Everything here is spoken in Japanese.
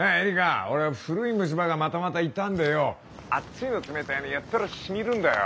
俺古い虫歯がまたまた痛んでよ熱いの冷たいのやったらしみるんだよ。